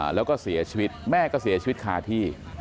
แล้วก็เสียชีวิตแม่ก็เสียชีวิตคาที่